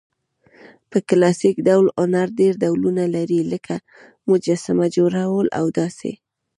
په کلاسیک ډول هنرډېر ډولونه لري؛ لکه: مجسمه، جوړول او داسي...